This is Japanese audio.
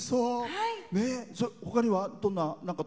ほかには、どんな？